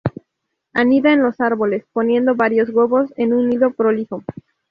Anida en los árboles, poniendo varios huevos en un nido prolijo.